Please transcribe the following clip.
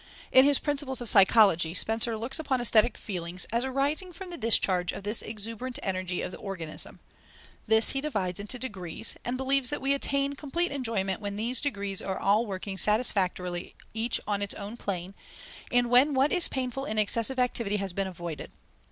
In his Principles of Psychology Spencer looks upon aesthetic feelings as arising from the discharge of the exuberant energy of the organism. This he divides into degrees, and believes that we attain complete enjoyment when these degrees are all working satisfactorily each on its own plane, and when what is painful in excessive activity has been avoided.